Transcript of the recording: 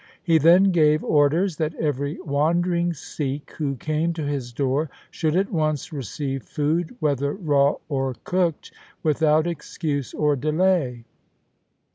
He then gave orders that every wandering Sikh who came to his door should at once receive food, whether raw or cooked, without excuse or delay.